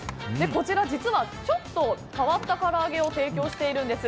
こちら、実はちょっと変わったからあげを提供しているんです。